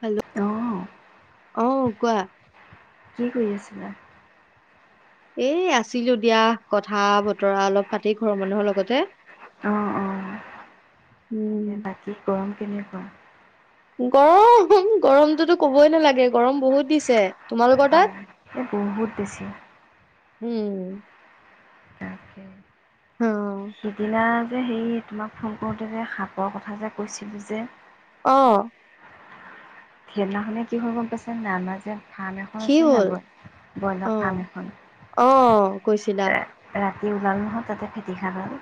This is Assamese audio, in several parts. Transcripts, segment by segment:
হেল্ল'! অঁ অঁ কোৱা? কি কৰি আছিলা? এ আছিলো দিয়া। কথা -বতৰা অলপ পাতি ঘৰৰ মানুহৰ লগতে। অঁ, অঁ উম বাকি গৰম কেনেকুৱা? গৰম, গৰমতোটো কবই নালাগে, গৰম বহুত দিছে। তোমালোকৰ তাত হ'য়, এ বহুত দিছে। উম তাকে। অ সিদিনা যে হেৰি, তোমাক ফোন কৰোতে যে সাপৰ কথা যে কৈছিলো যে অঁ সেইদিনাখনে কি হ'ল গম পাইছে নাই? আমাৰ যে ফাৰ্ম এখন কি আছে হ'ল নাই? বই- অ ব্ৰইলা ফাৰ্ম এখন। অ কৈছিলা এ-এ দি ওলালে নহয় তাতে ফেটি সাপ এডাল।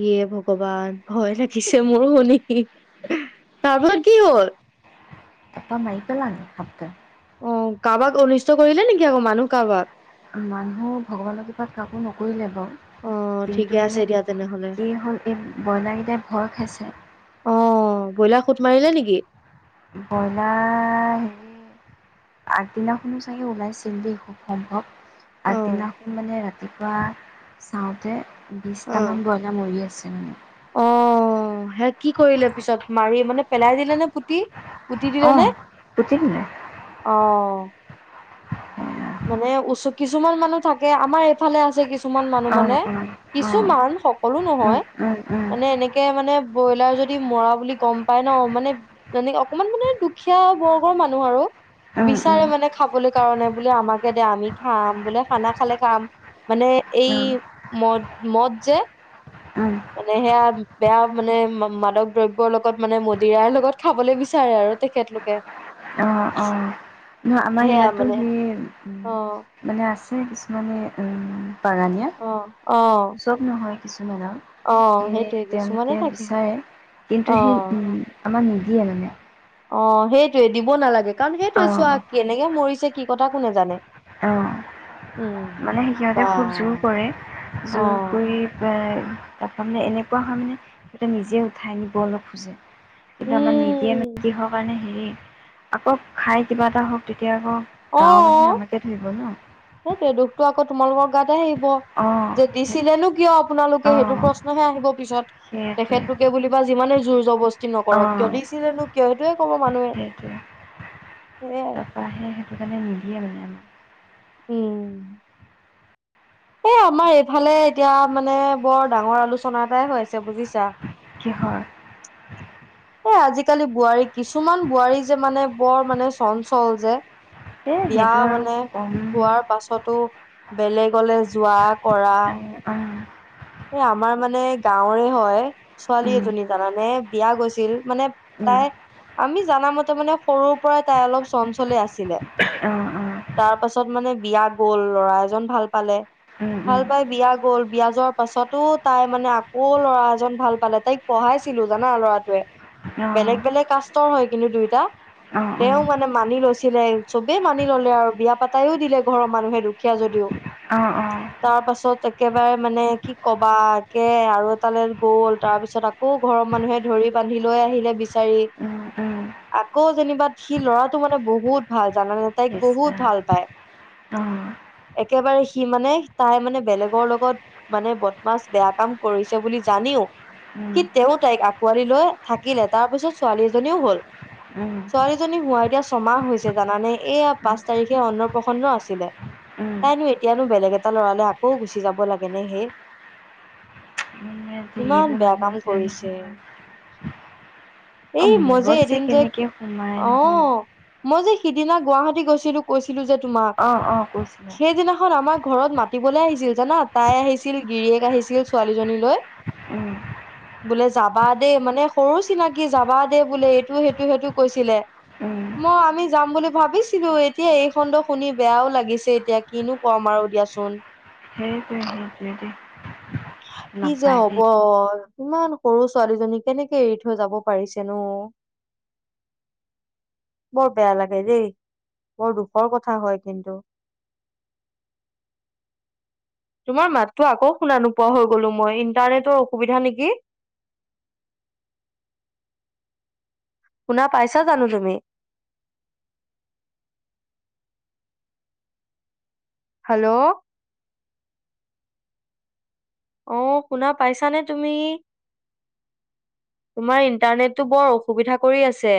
ইয়ে ভগৱান। ভয় লাগিছে মোৰো শুনি, হিঁ। তাৰপাছত কি হ'ল? তাপা মাৰি পেলালে সাপ ডাল। অঁ, কাৰোবাক অনিষ্ট কৰিলে নেকি আক মানুহ কাৰোবাক? মানুহ, ভগৱানৰ কৃপাত কাকো নকৰিলে বাও। অ ঠিকে কিন্তু আছে মানে, দিয়া তেনেহলে কি হ'ল এই ব্ৰইলা কেইটাই ভয় খাইছে। অঁ, ব্ৰইলা খুট্‌ মাৰিলে নেকি? ব্ৰইলা--ৰ হেৰি আগদিনাখনো চাগে ওলাইছিল দেই খুব সম্ভৱ। অ আগদিনাখন মানে, ৰাতিপুৱা চাওঁতে অ বিশটামান ব্ৰইলা মৰি আছে মানে। অঁ, সেয়া কি কৰিলে পিছত? মাৰি মানে, পেলাই দিলে নে, পুটি পুটি দিলে নে? অ', পুতি দিলে? অঁ অ', মানে, ওচ কিছুমান মানুহ থাকে, আমাৰ এইফালে আছে কিছু ছুমান মানুহ অ', মানে, অ', কিছুমান সকলো উম, নহয়। উম, উম, মানে, এনেকে মানে ব্ৰইলাৰ যদি মৰা বুলি গম পাই ন' মানে, মানে অকমান মানে, দুখীয়া বৰ্গৰ মানুহ আৰু উম, বিচাৰে উম, মানে খাবলৈ কাৰণে। বোলে আমাকে দে, আমি খাম। বোলে, খানা খালে খাম। মানে, এই মদ, মদ যে। অ', উম, মানে সেয়া বেয়া মানে মা-মাদক দ্ৰব্যৰ লগত মানে মদিৰাৰ লগত খাবলে বিচাৰে আ তেখেতলোকে। অঁ, অঁ। ন আমাৰ সেয়া ইয়াতো মানে সেই ওঁ অ মানে, আছে কিছুমানে অঁ উম বাগানীয়া? অ অ চব নহয়, কিছুমানে আও। অ সেয়ে সেইটোৱে কিছুমানে তেওঁলোকে থাকে বিচাৰে। অ কিন্তু সেই ওঁ, আমাৰ নিদিয়ে মানে। অঁ, সেইটোৱে দিব নালাগে। কাৰণ সেইটোৱে অ', চোৱা, কেনেকে মৰিছে কি কথা কোনে জানে? অ'। উম মানে, সিহঁতে বা খুব জোৰ কৰে, অ জোৰ কৰি বে তাপা মানে, এনেকুৱা হ'য় মানে, হেঁতে নিজে উঠাই নিবলে খোজে। এতিয়া আমাৰ নিদিয়ে মানে, উম কিহৰ কাৰনে হেৰি, আকৌ খাই কিবা এটা হওঁক তেতি তেতিয়া আকৌ, গাঁৱৰ মানুহে অ আমাকে ধৰিব ন'। সেইটোৱে দুখটো আকৌ তোমালোকৰ গাতে আহিব। অঁ যে সেই দিছিলেনো কিয় আপোনালোকে? অঁ সেইটো প্ৰশ্নহে আহিব পিছত। সেইটোৱে তেখেতলোকে বুলিবা যিমানে জোৰ জবস্তি নকৰক কিয়? অঁ দিছিলেনো কিয় সেইটোহে ক'ব মানুহে। সেইটোৱে সেয়াই। তাৰপৰা সেই সেইটো কাৰণে নিদিয়ে মানে আমাক। উম। এ আমাৰ এইফালে এতিয়া মানে বৰ ডাঙৰ আলোচনা এটাই হৈ আছে বুজিছা? কিহৰ? এ আজিকালি বোৱাৰী কিছুমান বোৱাৰী যে মানে বৰ মানে চঞ্চল যে। এই বিয়া সেইটো আৰু মানে কম হোৱাৰ পাছতো বেলেগলে যোৱা, কৰা। অঁ অঁ অঁ অঁ অঁ এ আমাৰ মানে গাঁৱৰে হয় ছোৱালী উম এজনী। জানানে বিয়া গৈছে ছিল মানে তাই আমি জানা মতে মানে সৰুৰ পৰাই তাই অলপ চঞ্চলে আছিলে। তাৰ পাছত মানে বিয়া গ'ল, লৰা এজন ভাল পালে। ভাল উম পাই বিয়া গ'ল। বিয়া যোৱাৰ পাছতো তাই মানে আকৌ ল'ৰা এজন ভাল পালে। তাইক পঢ়াই আছিলো জানা ল'ৰাটোৱে। অঁ বেলেগ বেলেগ কাষ্টৰ হয় কিন্তু দুইটা। অঁ অঁ তেওঁ মানে মানি লৈছিল। ছিলে চবে মানি ললে আৰু বিয়া পাতাইও দিলে ঘৰৰ মানুহে দুখীয়া যদিও। অঁ অঁ তাৰ পাছত এ একেবাৰে মানে কি কবা একে আৰু এটালৈ গ'ল। তাৰপিছত আকৌ ঘৰৰ মানুহে ধৰি বান্ধি লৈ আহিলে বিচাৰি। আকৌ যেনিবা সি ল'ৰাটো মানে বহুত ভাল জানানে। তাইক বহুত ভাল পায়। উম। একেবাৰে সি মানে তাই মানে বেলেগৰ লগত মানে বদমাছ বেয়া কাম কৰিছে বুলি জান জানিও সি তেওঁ তাইক আকোৱালি লৈ থাকিলে। তাৰ পিছত ছোৱালী এজনীও হ'ল। উম। হোৱা ছোৱালীজনী এতিয়া ছমাহ হৈছে জানানে। এইয়া পাঁচ তাৰিখে অন্নপ্ৰসন্ন আছিলে। তাইনো এতিয়া নো বেলেগ এটা লৰালে আকৌ গুচি যাব লাগে নে হেই। মানে ইমান যিবোৰ বেয়া মানুহ কাম যে কৰিছে। নহয় অঁ এই মই যে মূৰত এদিন যে, কেনেকৈ সোমাই অ। নহয় মই যে সিদিনা গুৱাহাটী গৈছিলো, কৈছিলো যে তোমাক। অঁ অঁ কৈছিলে সেইদিনাখন আমাক ঘৰত মাতিবলে আহিছিল জানা। তাই আহিছিল, গিৰিয়েক আহিছিল ছোৱালীজনী লৈ। উম। বোলে যাবা দেই। মানে সৰু চিনাকি যাবা দেই বোলে, এইটো সেইটো সেইটো কৈছিলে। ম আমি যাম বুলি ভাবিছিলো। এতিয়া এই খণ্ড শুনি বেয়াও লাগিছে এতিয়া, কিনো কম আৰু। দিয়াচোন। সেইটোৱে- সেইটোৱে দে কি যে হ'ব ইমান সৰু- ছোৱালীজনী কেনেকে এৰি থৈ যাব পাৰিছে নো। বৰ বেয়া লাগে দেই বৰ দুখৰ কথা হয় কিন্তু। [inaudible] তোমাৰ মাতটো আকৌ শুনা নোপোৱা হৈ গলো মই ইন্টাৰনেটৰ অসুবিধা নেকি? [inaudible] [inaudible] শুনা পাইছা জানো তুমি? [inaudible] হেল্লো', অহ, শুনা পাইছানে তুমি? তোমাৰ ইণ্টাৰনেটটো বৰ অসুবিধা কৰি আছে।